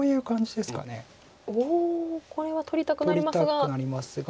これは取りたくなりますが。